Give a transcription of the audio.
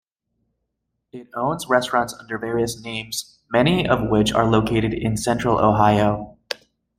It owns restaurants under various names, many of which are located in Central Ohio.